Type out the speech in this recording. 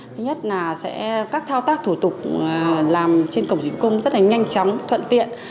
thứ nhất là sẽ các thao tác thủ tục làm trên cổng dịch vụ công rất là nhanh chóng thuận tiện